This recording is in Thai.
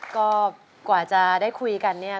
ก็กว่าจะได้คุยกันเนี่ย